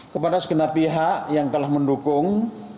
kepada sekena pihak yang telah mendukung